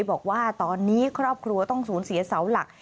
บอกว่าตอนนี้ครอบครัวต้องสูญเสียเสาหลัก